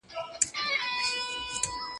ورته مخ د بې بختۍ سي د خواریو